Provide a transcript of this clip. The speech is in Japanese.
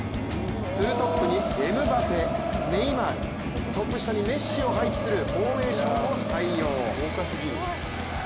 ツートップにエムバペ、ネイマールトップ下にメッシを配置するフォーメーションを採用。